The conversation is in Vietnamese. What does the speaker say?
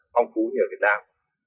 phong phú như ở việt nam